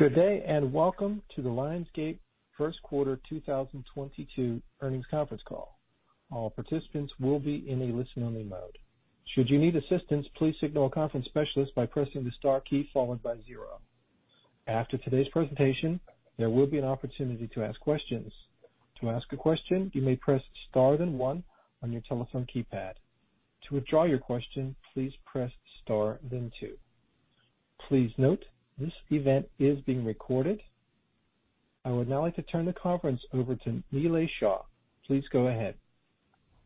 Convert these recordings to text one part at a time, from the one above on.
Good day, and welcome to the Lionsgate first quarter 2022 earnings conference call. All participants will be in a listen-only mode. Should you need assistance, please signal a conference specialist by pressing the star key followed by zero. After today's presentation, there will be an opportunity to ask questions. To ask a question, you may press star then one on your telephone keypad. To withdraw your question, please press star then two. Please note, this event is being recorded. I would now like to turn the conference over to Nilay Shah. Please go ahead.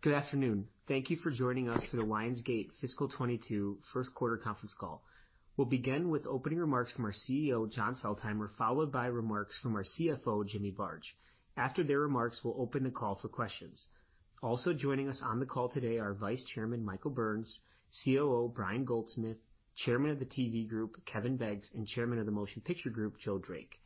Good afternoon. Thank you for joining us for the Lionsgate fiscal 2022 first quarter conference call. We'll begin with opening remarks from our CEO, Jon Feltheimer, followed by remarks from our CFO, Jimmy Barge. After their remarks, we'll open the call for questions. Also joining us on the call today are Vice Chairman Michael Burns, COO Brian Goldsmith, Chairman of the TV group Kevin Beggs, and Chairman of the Motion Picture group Joe Drake.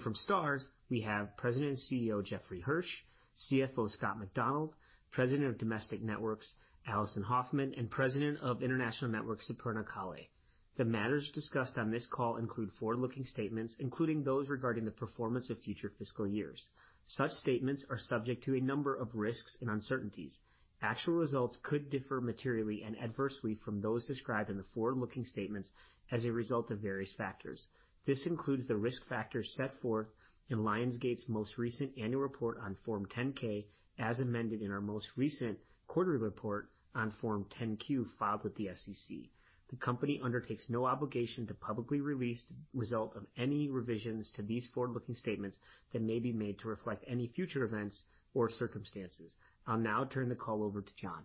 From STARZ, we have President and CEO Jeffrey Hirsch, CFO Scott Macdonald, President of Domestic Networks Alison Hoffman, and President of International Networks Superna Kalle. The matters discussed on this call include forward-looking statements, including those regarding the performance of future fiscal years. Such statements are subject to a number of risks and uncertainties. Actual results could differ materially and adversely from those described in the forward-looking statements as a result of various factors. This includes the risk factors set forth in Lionsgate's most recent annual report on Form 10-K, as amended in our most recent quarterly report on Form 10-Q filed with the SEC. The company undertakes no obligation to publicly release the result of any revisions to these forward-looking statements that may be made to reflect any future events or circumstances. I'll now turn the call over to Jon.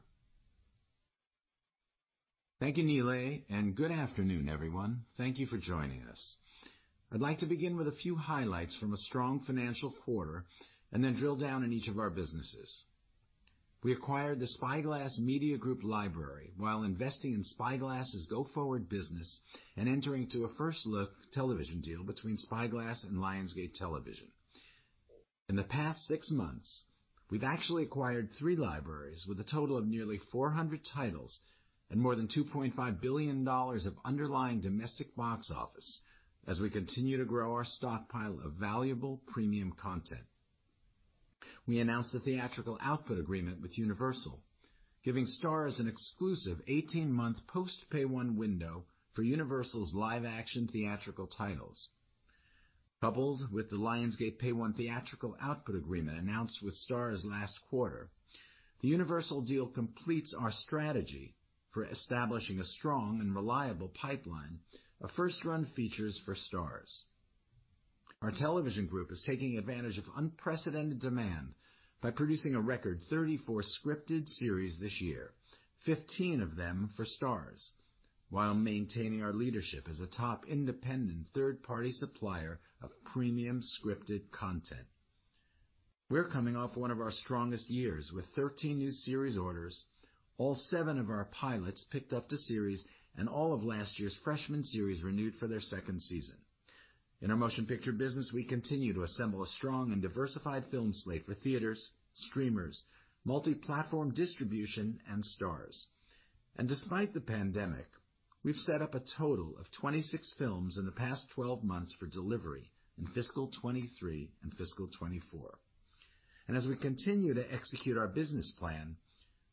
Thank you, Nilay, and good afternoon, everyone. Thank you for joining us. I'd like to begin with a few highlights from a strong financial quarter and then drill down in each of our businesses. We acquired the Spyglass Media Group library while investing in Spyglass's go-forward business and entering into a first-look television deal between Spyglass and Lionsgate Television. In the past six months, we've actually acquired three libraries with a total of nearly 400 titles and more than $2.5 billion of underlying domestic box office as we continue to grow our stockpile of valuable premium content. We announced the theatrical output agreement with Universal, giving STARZ an exclusive 18-month post Pay-1 window for Universal's live-action theatrical titles. Coupled with the Lionsgate Pay-1 theatrical output agreement announced with STARZ last quarter, the Universal deal completes our strategy for establishing a strong and reliable pipeline of first-run features for STARZ. Our television group is taking advantage of unprecedented demand by producing a record 34 scripted series this year, 15 of them for STARZ, while maintaining our leadership as a top independent third-party supplier of premium scripted content. We are coming off one of our strongest years with 13 new series orders, all seven of our pilots picked up to series, and all of last year's freshman series renewed for their second season. In our motion picture business, we continue to assemble a strong and diversified film slate for theaters, streamers, multi-platform distribution, and STARZ. Despite the pandemic, we have set up a total of 26 films in the past 12 months for delivery in fiscal 2023 and fiscal 2024. As we continue to execute our business plan,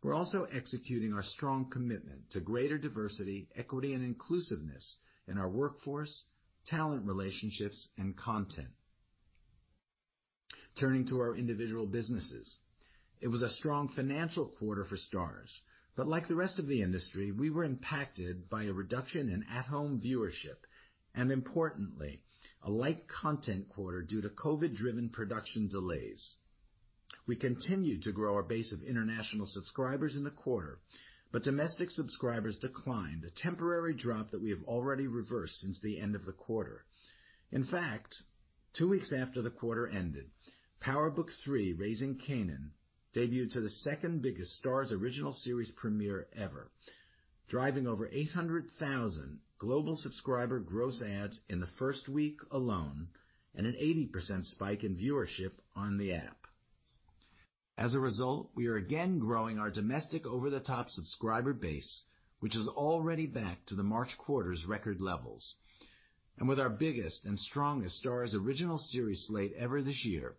we are also executing our strong commitment to greater diversity, equity, and inclusiveness in our workforce, talent relationships, and content. Turning to our individual businesses. It was a strong financial quarter for STARZ, but like the rest of the industry, we were impacted by a reduction in at-home viewership and importantly, a light content quarter due to COVID-driven production delays. We continued to grow our base of international subscribers in the quarter, but domestic subscribers declined, a temporary drop that we have already reversed since the end of the quarter. In fact, two weeks after the quarter ended, "Power Book III: Raising Kanan" debuted to the second-biggest STARZ original series premiere ever, driving over 800,000 global subscriber gross adds in the first week alone and an 80% spike in viewership on the app. As a result, we are again growing our domestic over-the-top subscriber base, which is already back to the March quarter's record levels. With our biggest and strongest STARZ original series slate ever this year,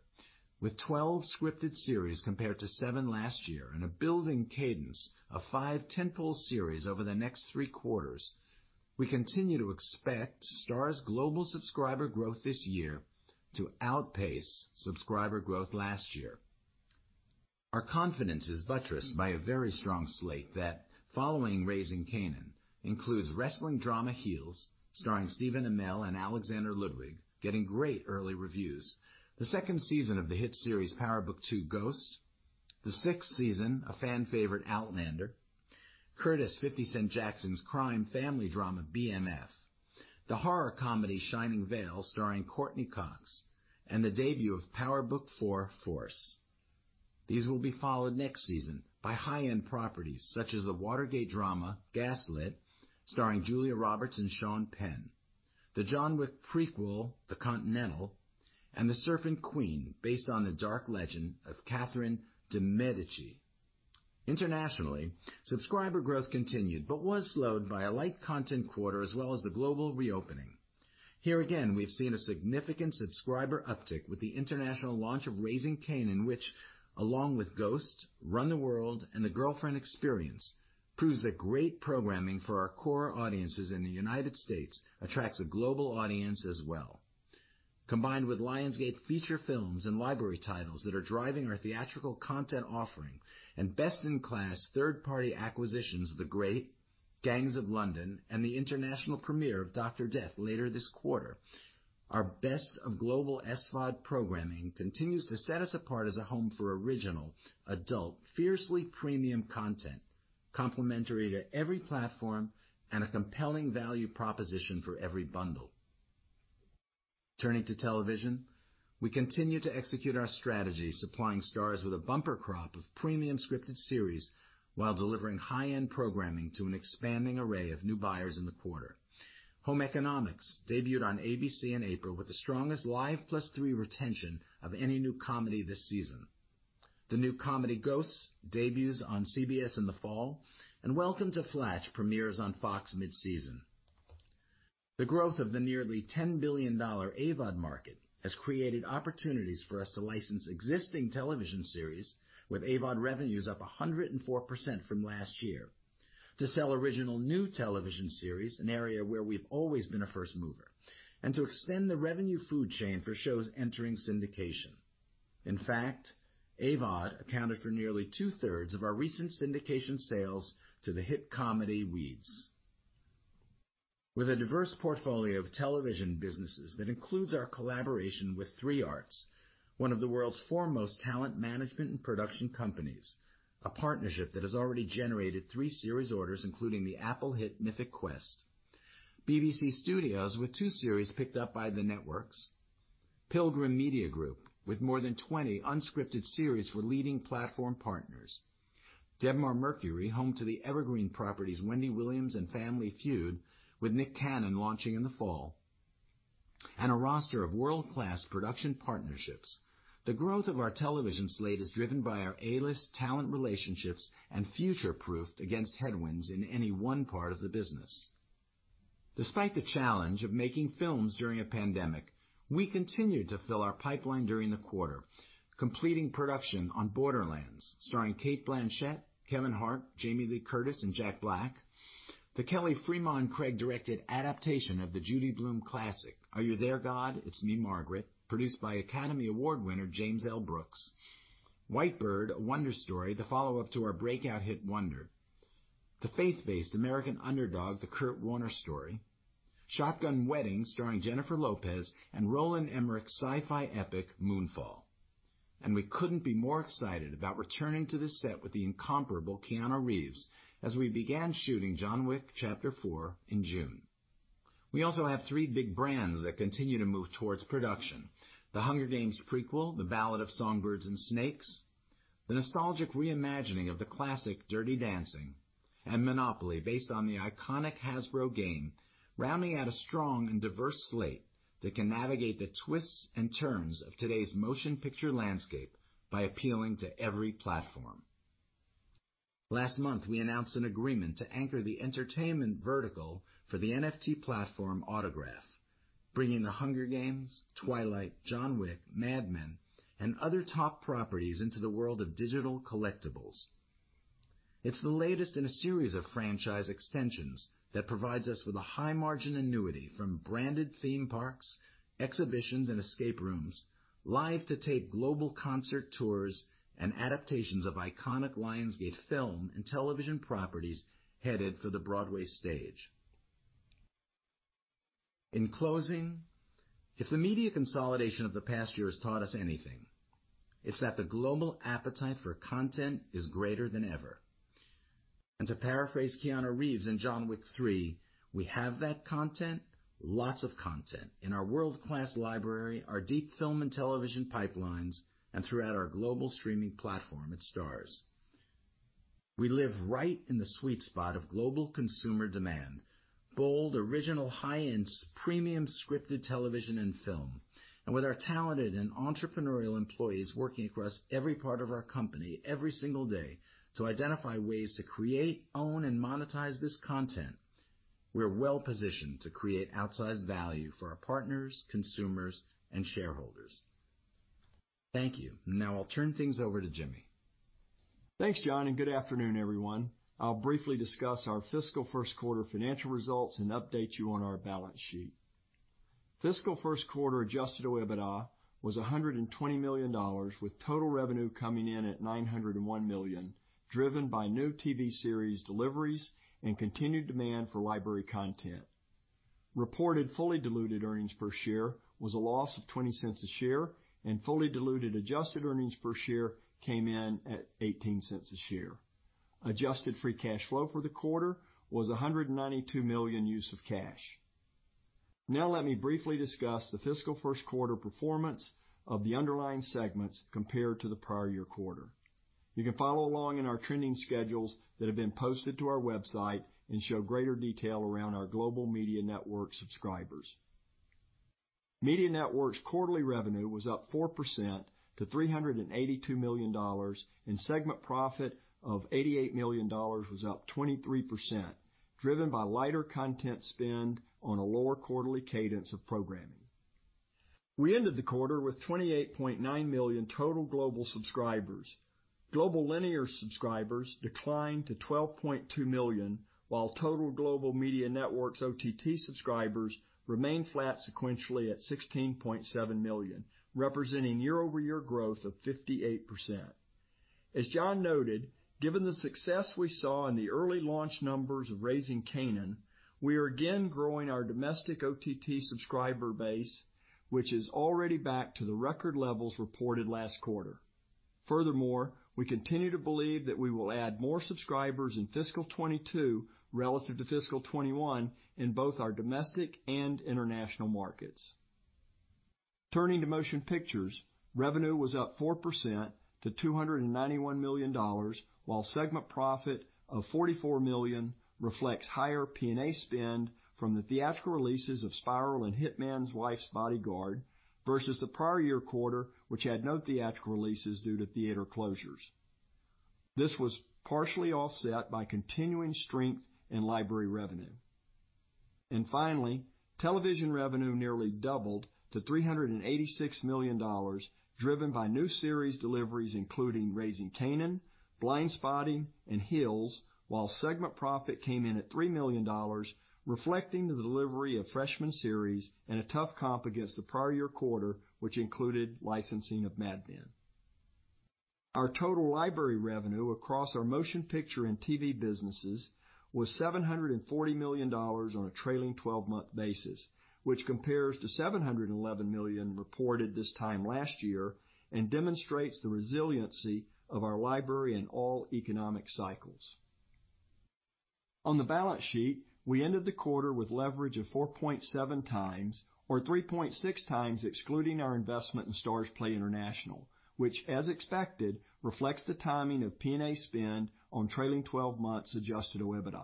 with 12 scripted series compared to seven last year and a building cadence of five tentpole series over the next three quarters, we continue to expect STARZ global subscriber growth this year to outpace subscriber growth last year. Our confidence is buttressed by a very strong slate that, following "Raising Kanan," includes wrestling drama "Heels," starring Stephen Amell and Alexander Ludwig, getting great early reviews. The second season of the hit series "Power Book II: Ghost," the sixth season of fan-favorite Outlander, Curtis "50 Cent" Jackson's crime family drama "BMF," the horror comedy "Shining Vale" starring Courteney Cox, and the debut of "Power Book IV: Force." These will be followed next season by high-end properties such as the Watergate drama "Gaslit" starring Julia Roberts and Sean Penn, the "John Wick" prequel "The Continental," and "The Serpent Queen," based on the dark legend of Catherine de' Medici. Internationally, subscriber growth continued, but was slowed by a light content quarter as well as the global reopening. Here again, we've seen a significant subscriber uptick with the international launch of "Raising Kanan," which along with "Ghosts," "Run the World," and "The Girlfriend Experience," proves that great programming for our core audiences in the United States attracts a global audience as well. Combined with Lionsgate feature films and library titles that are driving our theatrical content offering and best-in-class third-party acquisitions of the great "Gangs of London" and the international premiere of "Dr. Death" later this quarter, our best of global SVOD programming continues to set us apart as a home for original, adult, fiercely premium content, complementary to every platform and a compelling value proposition for every bundle. Turning to television, we continue to execute our strategy supplying STARZ with a bumper crop of premium scripted series while delivering high-end programming to an expanding array of new buyers in the quarter. "Home Economics" debuted on ABC in April with the strongest Live+3 retention of any new comedy this season. The new comedy "Ghosts" debuts on CBS in the fall, and "Welcome to Flatch" premieres on Fox mid-season. The growth of the nearly $10 billion AVOD market has created opportunities for us to license existing television series with AVOD revenues up 104% from last year, to sell original new television series, an area where we've always been a first mover, and to extend the revenue food chain for shows entering syndication. In fact, AVOD accounted for nearly 2/3 of our recent syndication sales to the hit comedy Weeds. With a diverse portfolio of television businesses that includes our collaboration with 3 Arts, one of the world's foremost talent management and production companies, a partnership that has already generated three series orders, including the Apple hit "Mythic Quest," BBC Studios with two series picked up by the networks, Pilgrim Media Group with more than 20 unscripted series for leading platform partners, Debmar-Mercury, home to the evergreen properties "Wendy Williams" and "Family Feud," with "Nick Cannon" launching in the fall, and a roster of world-class production partnerships. The growth of our television slate is driven by our A-list talent relationships and future-proofed against headwinds in any one part of the business. Despite the challenge of making films during a pandemic, we continued to fill our pipeline during the quarter, completing production on "Borderlands," starring Cate Blanchett, Kevin Hart, Jamie Lee Curtis, and Jack Black. The Kelly Fremon Craig-directed adaptation of the Judy Blume classic, "Are You There God? It's Me, Margaret.," produced by Academy Award winner James L. Brooks. "White Bird: A Wonder Story," the follow-up to our breakout hit "Wonder." The faith-based "American Underdog: The Kurt Warner Story," "Shotgun Wedding" starring Jennifer Lopez, and Roland Emmerich's sci-fi epic "Moonfall." We couldn't be more excited about returning to the set with the incomparable Keanu Reeves as we began shooting "John Wick: Chapter 4" in June. We also have three big brands that continue to move towards production. "The Hunger Games" prequel, "The Ballad of Songbirds & Snakes," the nostalgic reimagining of the classic "Dirty Dancing," and "Monopoly," based on the iconic Hasbro game, rounding out a strong and diverse slate that can navigate the twists and turns of today's motion picture landscape by appealing to every platform. Last month, we announced an agreement to anchor the entertainment vertical for the NFT platform Autograph, bringing "The Hunger Games," "Twilight," "John Wick," "Mad Men," and other top properties into the world of digital collectibles. It's the latest in a series of franchise extensions that provides us with a high-margin annuity from branded theme parks, exhibitions, and escape rooms, live-to-tape global concert tours, and adaptations of iconic Lionsgate film and television properties headed for the Broadway stage. In closing, if the media consolidation of the past year has taught us anything, it's that the global appetite for content is greater than ever. To paraphrase Keanu Reeves in "John Wick: Chapter 3," we have that content, lots of content, in our world-class library, our deep film and television pipelines, and throughout our global streaming platform at STARZ. We live right in the sweet spot of global consumer demand. Bold, original, high-end, premium scripted television and film. With our talented and entrepreneurial employees working across every part of our company every single day to identify ways to create, own, and monetize this content, we're well-positioned to create outsized value for our partners, consumers, and shareholders. Thank you. Now, I'll turn things over to Jimmy. Thanks, Jon. Good afternoon, everyone. I'll briefly discuss our fiscal first quarter financial results and update you on our balance sheet. Fiscal first quarter Adjusted EBITDA was $120 million, with total revenue coming in at $901 million, driven by new TV series deliveries and continued demand for library content. Reported fully diluted earnings per share was a loss of $0.20 a share, and fully diluted adjusted earnings per share came in at $0.18 a share. Adjusted free cash flow for the quarter was a $192 million use of cash. Now, let me briefly discuss the fiscal first quarter performance of the underlying segments compared to the prior year quarter. You can follow along in our trending schedules that have been posted to our website and show greater detail around our global Media Networks subscribers. Media Networks' quarterly revenue was up 4% to $382 million, and segment profit of $88 million was up 23%, driven by lighter content spend on a lower quarterly cadence of programming. We ended the quarter with 28.9 million total global subscribers. Global linear subscribers declined to 12.2 million, while total global Media Networks OTT subscribers remained flat sequentially at 16.7 million, representing year-over-year growth of 58%. As Jon noted, given the success we saw in the early launch numbers of "Raising Kanan", we are again growing our domestic OTT subscriber base, which is already back to the record levels reported last quarter. Furthermore, we continue to believe that we will add more subscribers in fiscal 2022 relative to fiscal 2021 in both our domestic and international markets. Turning to Motion Pictures, revenue was up 4% to $291 million, while segment profit of $44 million reflects higher P&A spend from the theatrical releases of "Spiral" and "Hitman's Wife's Bodyguard" versus the prior year quarter, which had no theatrical releases due to theater closures. This was partially offset by continuing strength in library revenue. Finally, television revenue nearly doubled to $386 million, driven by new series deliveries including "Raising Kanan," "Blindspotting," and "Heels," while segment profit came in at $3 million, reflecting the delivery of freshman series and a tough comp against the prior year quarter, which included licensing of "Mad Men." Our total library revenue across our Motion Picture and TV businesses was $740 million on a trailing 12-month basis, which compares to $711 million reported this time last year and demonstrates the resiliency of our library in all economic cycles. On the balance sheet, we ended the quarter with leverage of 4.7x, or 3.6x excluding our investment in STARZPLAY International, which as expected, reflects the timing of P&A spend on trailing 12 months adjusted to EBITDA.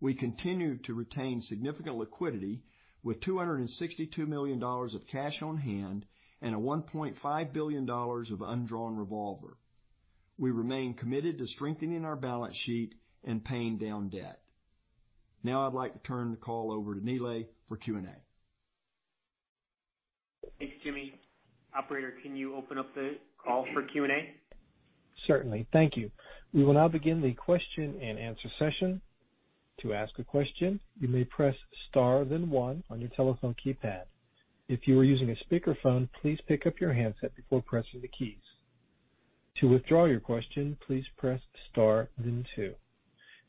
We continued to retain significant liquidity with $262 million of cash on hand and a $1.5 billion of undrawn revolver. We remain committed to strengthening our balance sheet and paying down debt. Now, I'd like to turn the call over to Nilay for Q&A. Thanks, Jimmy. Operator, can you open up the call for Q&A? Certainly. Thank you. We will now begin the question-and-answer session. To ask a question, you may press star then one on your telephone keypad. If you're using a speakerphone, please pick up your handset before pressing the keys. To withdraw your question, please press star then two.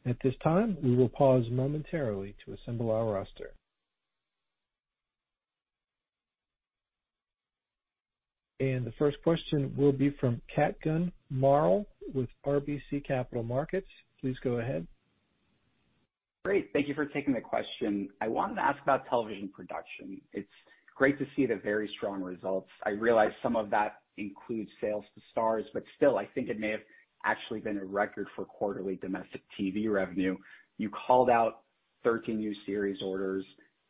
At this time, we will pause momentarily to assemble our roster. The first question will be from Kutgun Maral with RBC Capital Markets. Please go ahead. Great. Thank you for taking the question. I wanted to ask about television production. It's great to see the very strong results. I realize some of that includes sales to STARZ, but still, I think it may have actually been a record for quarterly domestic TV revenue. You called out 13 new series orders,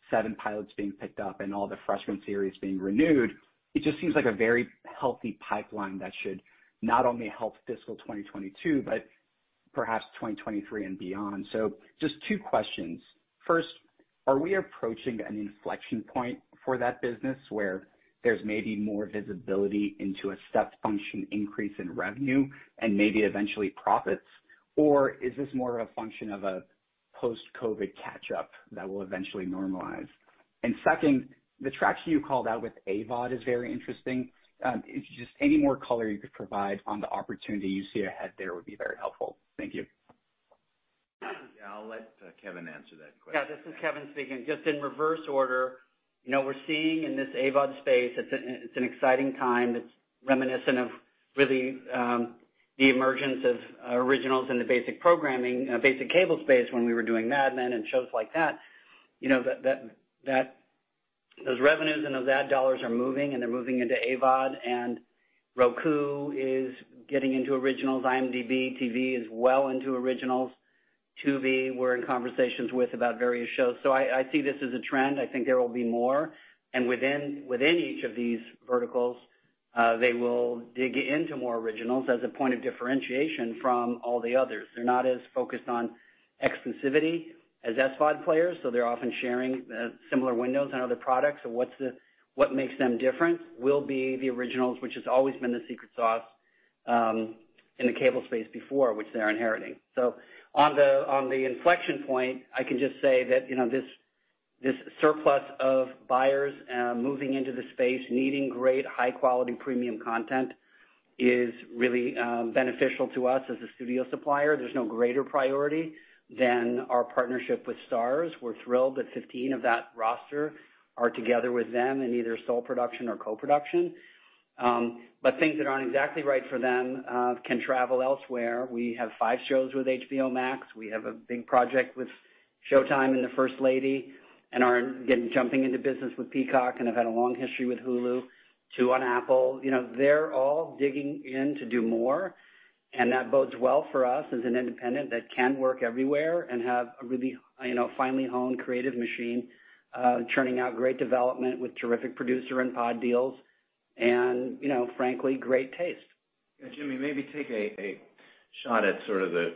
seven pilots being picked up, and all the freshman series being renewed. It just seems like a very healthy pipeline that should not only help fiscal 2022, but perhaps 2023 and beyond. Just two questions. First, are we approaching an inflection point for that business where there's maybe more visibility into a step function increase in revenue and maybe eventually profits? Or is this more of a function of a post-COVID catch-up that will eventually normalize? Second, the traction you called out with AVOD is very interesting. Any more color you could provide on the opportunity you see ahead there would be very helpful. Thank you. I'll let Kevin answer that question. This is Kevin speaking. Just in reverse order. We're seeing in this AVOD space, it's an exciting time that's reminiscent of really the emergence of originals in the basic cable space when we were doing "Mad Men" and shows like that. Those revenues and those ad dollars are moving, and they're moving into AVOD and Roku is getting into originals. IMDb TV is well into originals. Tubi, we're in conversations with about various shows. I see this as a trend. I think there will be more, and within each of these verticals, they will dig into more originals as a point of differentiation from all the others. They're not as focused on exclusivity as SVOD players, so they're often sharing similar windows on other products. What makes them different will be the originals, which has always been the secret sauce in the cable space before, which they're inheriting. On the inflection point, I can just say that this surplus of buyers moving into the space, needing great high-quality premium content is really beneficial to us as a studio supplier. There's no greater priority than our partnership with STARZ. We're thrilled that 15 of that roster are together with them in either sole production or co-production. Things that aren't exactly right for them can travel elsewhere. We have five shows with HBO Max. We have a big project with Showtime and "The First Lady," and are again jumping into business with Peacock and have had a long history with Hulu, two on Apple. They're all digging in to do more. That bodes well for us as an independent that can work everywhere and have a really finely-honed creative machine churning out great development with terrific producer and pod deals and frankly, great taste. Jimmy, maybe take a shot at sort of the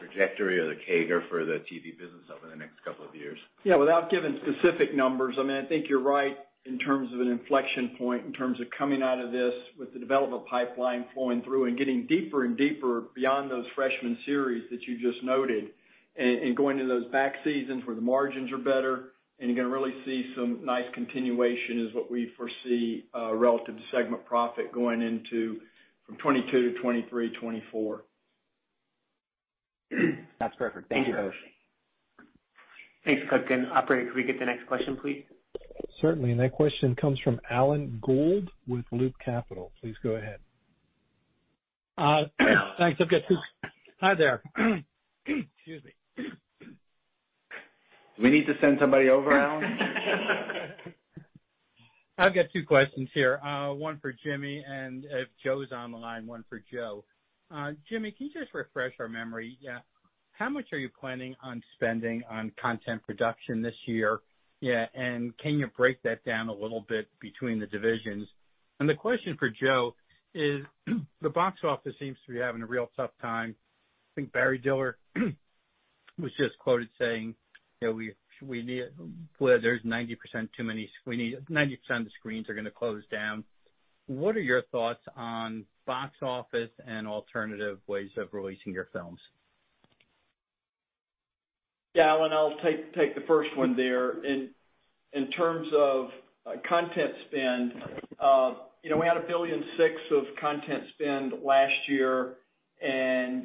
trajectory or the CAGR for the TV business over the next couple of years. Without giving specific numbers, I think you're right in terms of an inflection point, in terms of coming out of this with the development pipeline flowing through and getting deeper and deeper beyond those freshman series that you just noted, and going to those back seasons where the margins are better, and you're going to really see some nice continuation is what we foresee relative to segment profit going into from 2022 to 2023, 2024. That's perfect. Thank you. Thanks, Kutgun. Operator, could we get the next question, please? Certainly. That question comes from Alan Gould with Loop Capital. Please go ahead. Thanks. Hi there. Excuse me. Do we need to send somebody over, Alan? I've got two questions here. One for Jimmy, and if Joe's on the line, one for Joe. Jimmy, can you just refresh our memory? How much are you planning on spending on content production this year? Can you break that down a little bit between the divisions? The question for Joe is the box office seems to be having a real tough time. I think Barry Diller was just quoted saying that there's 90% of the screens are going to close down. What are your thoughts on box office and alternative ways of releasing your films? Alan, I'll take the first one there. In terms of content spend, we had $1.6 billion of content spend last year.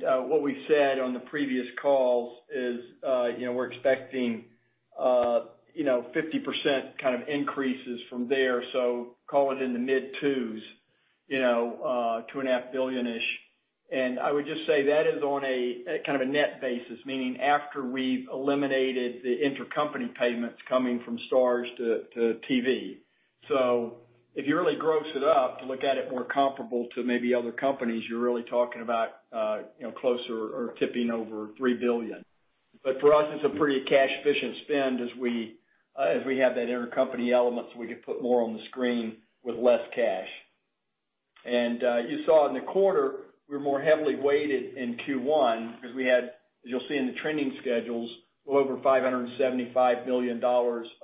What we've said on the previous calls is we're expecting 50% increases from there. Call it in the mid-$2 billion, around $2.5 billion. I would just say that is on a net basis, meaning after we've eliminated the intercompany payments coming from STARZ to TV. If you really gross it up to look at it more comparable to maybe other companies, you're really talking about closer or tipping over $3 billion. For us, it's a pretty cash-efficient spend as we have that intercompany element, so we can put more on the screen with less cash. You saw in the quarter, we were more heavily weighted in Q1 because we had, as you'll see in the trending schedules, a little over $575 million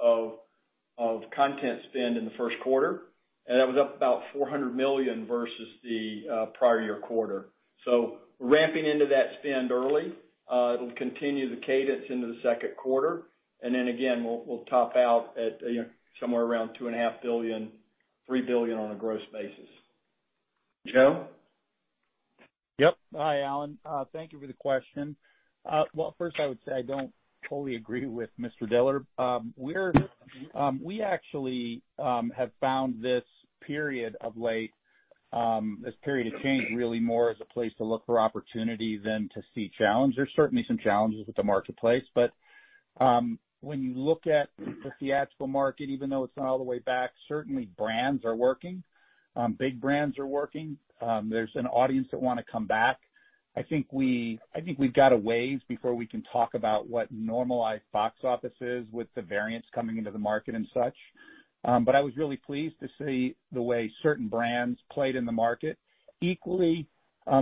of content spend in the first quarter. That was up about $400 million versus the prior year quarter. Ramping into that spend early. It'll continue the cadence into the second quarter. Again, we'll top out at somewhere around $2.5 billion-$3 billion on a gross basis. Joe? Hi, Alan. Thank you for the question. Well, first, I would say I don't totally agree with Mr. Diller. We actually have found this period of late, this period of change, really more as a place to look for opportunity than to see challenge. There's certainly some challenges with the marketplace, when you look at the theatrical market, even though it's not all the way back, certainly brands are working. Big brands are working. There's an audience that want to come back. I think we've got a ways before we can talk about what normalized box office is with the variants coming into the market and such. I was really pleased to see the way certain brands played in the market. Equally,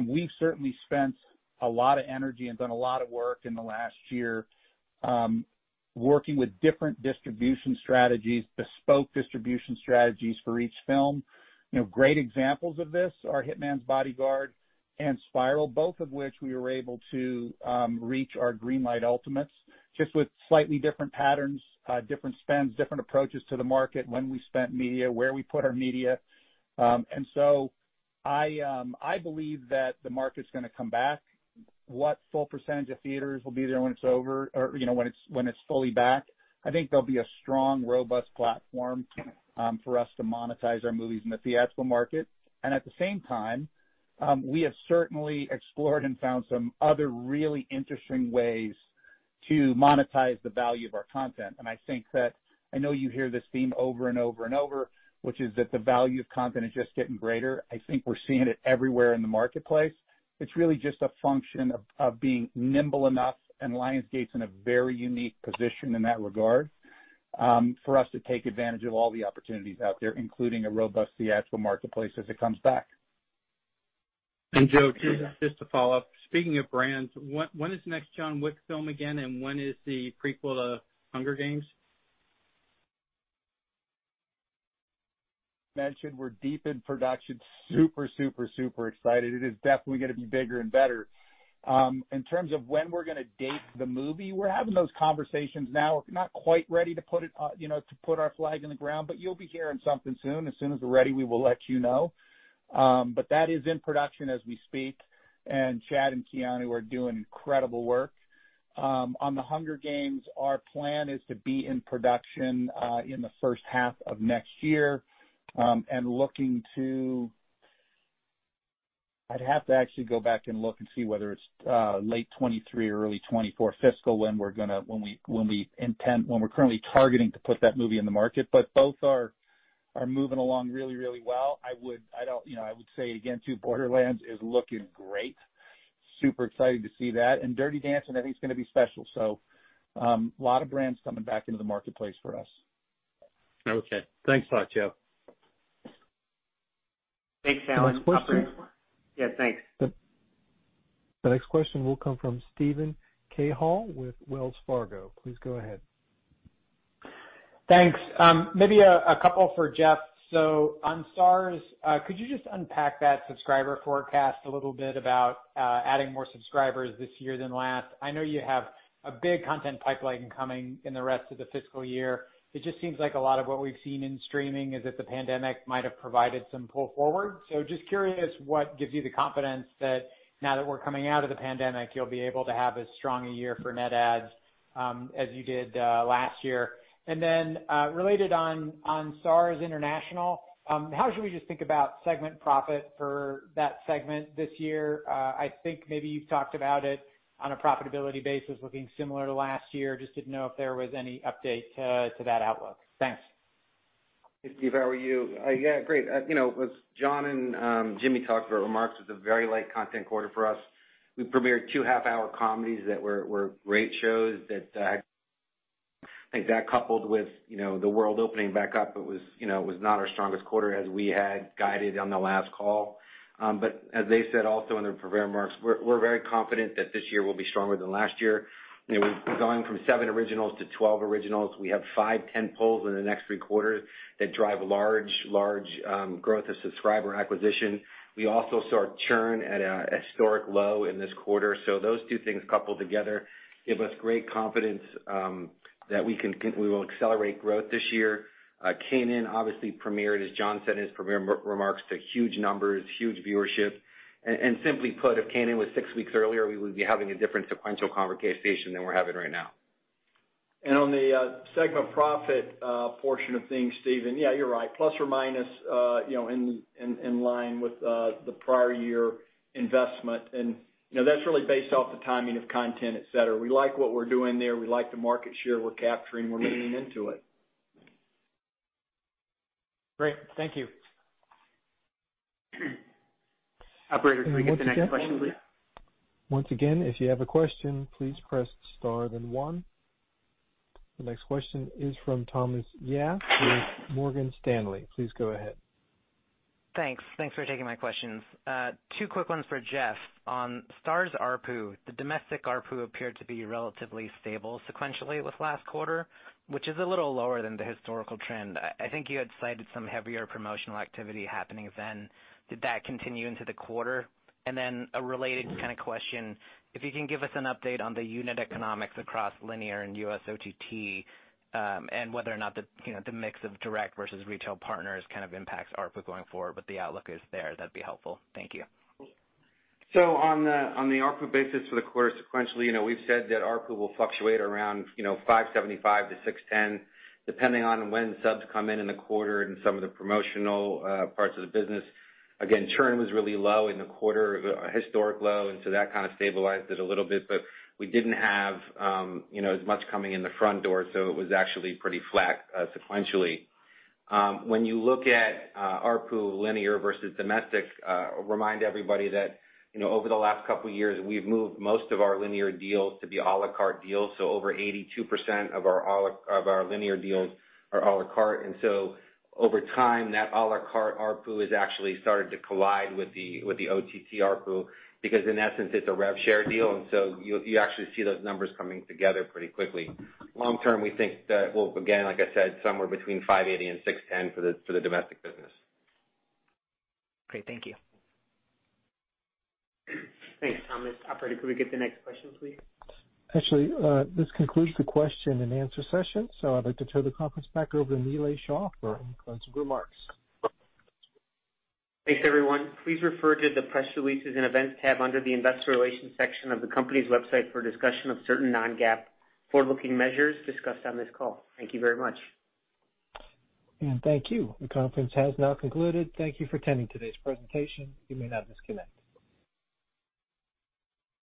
we've certainly spent a lot of energy and done a lot of work in the last year working with different distribution strategies, bespoke distribution strategies for each film. Great examples of this are "The Hitman's Bodyguard" and "Spiral," both of which we were able to reach our green light ultimates, just with slightly different patterns, different spends, different approaches to the market, when we spent media, where we put our media. I believe that the market's going to come back. What full percentage of theaters will be there when it's over or when it's fully back? I think there'll be a strong, robust platform for us to monetize our movies in the theatrical market. At the same time, we have certainly explored and found some other really interesting ways to monetize the value of our content. I think that I know you hear this theme over and over and over, which is that the value of content is just getting greater. I think we're seeing it everywhere in the marketplace. It's really just a function of being nimble enough, and Lionsgate's in a very unique position in that regard for us to take advantage of all the opportunities out there, including a robust theatrical marketplace as it comes back. Joe, just to follow up. Speaking of brands, when is the next "John Wick" film again, and when is the prequel to "Hunger Games?" We're deep in production. Super, super, super excited. It is definitely going to be bigger and better. In terms of when we're going to date the movie, we're having those conversations now. We're not quite ready to put our flag in the ground. You'll be hearing something soon. As soon as we're ready, we will let you know. That is in production as we speak, and Chad and Keanu are doing incredible work. On "The Hunger Games," our plan is to be in production in the first half of next year. I'd have to actually go back and look and see whether it's late 2023 or early 2024 fiscal when we're currently targeting to put that movie in the market. Both are moving along really well. I would say again, too, "Borderlands" is looking great. Super excited to see that. "Dirty Dancing" I think is going to be special. A lot of brands coming back into the marketplace for us. Okay. Thanks a lot, Joe. Thanks, Alan. Next question? Yeah, thanks. The next question will come from Steven Cahall with Wells Fargo. Please go ahead. Thanks. Maybe a couple for Jeff. On STARZ, could you just unpack that subscriber forecast a little bit about adding more subscribers this year than last? I know you have a big content pipeline coming in the rest of the fiscal year. It just seems like a lot of what we've seen in streaming is that the pandemic might have provided some pull forward. Just curious what gives you the confidence that now that we're coming out of the pandemic, you'll be able to have as strong a year for net adds, as you did last year. Related on STARZ International, how should we just think about segment profit for that segment this year? I think maybe you've talked about it on a profitability basis looking similar to last year. Just didn't know if there was any update to that outlook. Thanks. Hey, Steven. How are you? Great. As Jon and Jimmy talked about remarks, it's a very light content quarter for us. We premiered two half-hour comedies that were great shows that I think that coupled with the world opening back up, it was not our strongest quarter as we had guided on the last call. As they said, also in their prepared remarks, we're very confident that this year will be stronger than last year. We've gone from seven originals to 12 originals. We have five tentpoles in the next three quarters that drive large growth of subscriber acquisition. We also saw our churn at a historic low in this quarter. Those two things coupled together give us great confidence that we will accelerate growth this year. "Raising Kanan" obviously premiered, as Jon said in his prepared remarks, to huge numbers, huge viewership. Simply put, if "Raising Kanan" was six weeks earlier, we would be having a different sequential conversation than we're having right now. On the segment profit portion of things, Steven, you're right, plus or minus, in line with the prior year investment. That's really based off the timing of content, et cetera. We like what we're doing there. We like the market share we're capturing. We're leaning into it. Great. Thank you. Operator, can we get the next question, please? Once again, if you have a question, please press star then one. The next question is from Thomas Yeh with Morgan Stanley. Please go ahead. Thanks for taking my questions. Two quick ones for Jeff. On STARZ ARPU, the domestic ARPU appeared to be relatively stable sequentially with last quarter, which is a little lower than the historical trend. I think you had cited some heavier promotional activity happening then. Did that continue into the quarter? Then a related kind of question, if you can give us an update on the unit economics across linear and U.S. OTT, and whether or not the mix of direct versus retail partners impacts ARPU going forward, what the outlook is there, that'd be helpful. Thank you. On the ARPU basis for the quarter sequentially, we've said that ARPU will fluctuate around $5.75-$6.10 depending on when subs come in the quarter and some of the promotional parts of the business. Again, churn was really low in the quarter, a historic low, and so that kind of stabilized it a little bit. But we didn't have as much coming in the front door, so it was actually pretty flat sequentially. When you look at ARPU linear versus domestic, remind everybody that over the last couple of years, we've moved most of our linear deals to be à la carte deals. Over 82% of our linear deals are à la carte. Over time, that à la carte ARPU has actually started to collide with the OTT ARPU because in essence, it's a rev share deal. You actually see those numbers coming together pretty quickly. Long term, we think that will, again, like I said, somewhere between $580 and $610 for the domestic business. Great. Thank you. Thanks, Thomas. Operator, could we get the next question, please? Actually, this concludes the question-and-answer session. I'd like to turn the conference back over to Nilay Shah for any closing remarks. Thanks, everyone. Please refer to the press releases and events tab under the Investor Relations section of the company's website for a discussion of certain non-GAAP forward-looking measures discussed on this call. Thank you very much. Thank you. The conference has now concluded. Thank you for attending today's presentation. You may now disconnect.